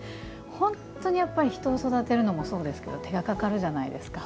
本当に人を育てるのもそうですけど手がかかるじゃないですか。